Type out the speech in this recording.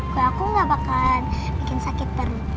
kue aku gak bakalan bikin sakit perut